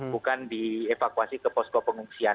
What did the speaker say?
bukan dievakuasi ke posko pengungsian